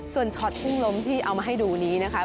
ส่วนช็อตกุ้งล้มที่เอามาให้ดูนี้นะคะ